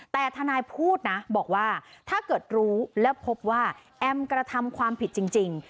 แต่ทนายพูดนะบอกว่าถ้าเกิดรู้แล้วพบว่าแอมกระทำความผิดจริง